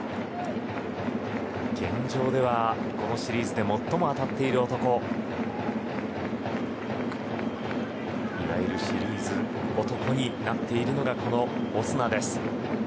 現状ではこのシリーズで最も当たっている男いわゆるシリーズ男になっているのが、このオスナ。